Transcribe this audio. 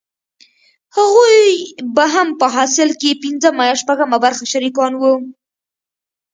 هغوې به هم په حاصل کښې پينځمه يا شپږمه برخه شريکان وو.